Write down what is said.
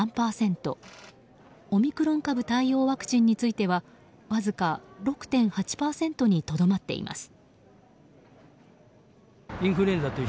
オミクロン株対応ワクチンについてはわずか６．８％にとどまっています。